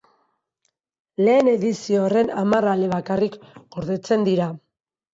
Lehen edizio horren hamar ale bakarrik gordetzen dira.